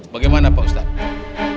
bagaimana pak ustadz